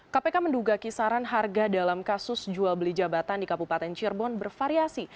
kpk menduga kisaran harga dalam kasus jual beli jabatan di kabupaten cirebon bervariasi